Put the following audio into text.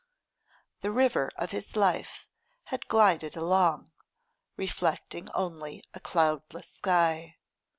The river of his life had glided along, reflecting only a cloudless sky.